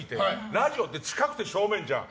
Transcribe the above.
ラジオって近くて正面じゃん。